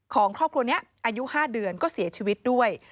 ครอบครัวนี้อายุ๕เดือนก็เสียชีวิตด้วย